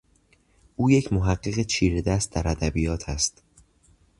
او یک محقق چیرهدست در ادبیات است